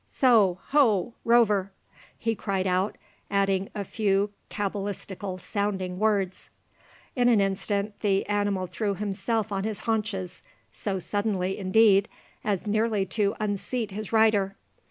So ho! Rover!" he cried out, adding a few cabalistical sounding words. In an instant the animal threw himself on his haunches, so suddenly indeed, as nearly to unseat his rider.